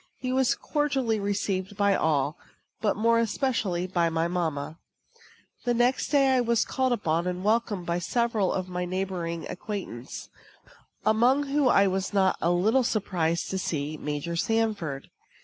He was cordially received by all, but more especially by my mamma. The next day I was called upon and welcomed by several of my neighboring acquaintance; among whom I was not a little surprised to see Major Sanford.